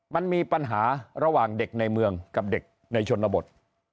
มันมีปัญหาระหว่างเด็กในเมืองกับเด็กในชนบท